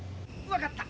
わかった。